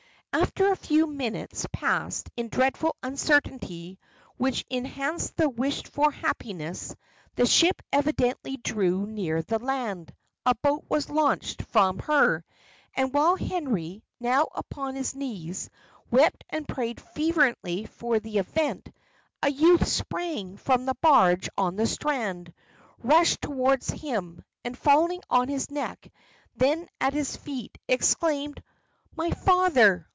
After a few minutes passed in dreadful uncertainty, which enhanced the wished for happiness, the ship evidently drew near the land; a boat was launched from her, and while Henry, now upon his knees, wept and prayed fervently for the event, a youth sprang from the barge on the strand, rushed towards him, and falling on his neck, then at his feet, exclaimed, "My father!